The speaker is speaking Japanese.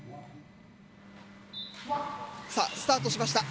さぁスタートしました。